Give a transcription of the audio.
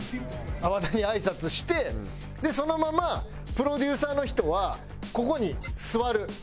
和田に挨拶してそのままプロデューサーの人はここに座る。